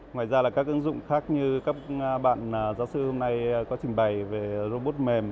ngoài ra là các ứng dụng khác như các bạn giáo sư hôm nay có trình bày về robot mềm